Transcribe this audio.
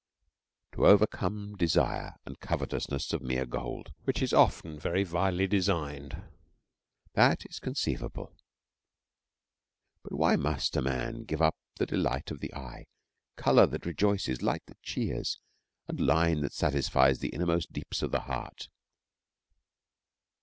To overcome desire and covetousness of mere gold, which is often very vilely designed, that is conceivable; but why must a man give up the delight of the eye, colour that rejoices, light that cheers, and line that satisfies the innermost deeps of the heart?